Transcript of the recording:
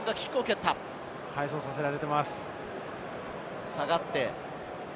背走させられています。